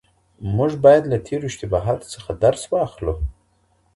موږ باید له تېرو اشتباهاتو څخه درس واخلو.